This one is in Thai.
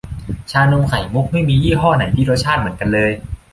ชานมไข่มุกไม่มียี่ห้อไหนที่รสชาติเหมือนกันเลย